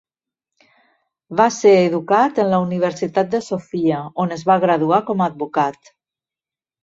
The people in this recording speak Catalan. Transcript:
Va ser educat en la Universitat de Sofia, on es va graduar com advocat.